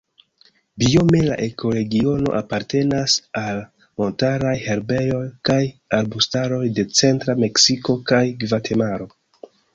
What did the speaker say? Biome la ekoregiono apartenas al montaraj herbejoj kaj arbustaroj de centra Meksiko kaj Gvatemalo.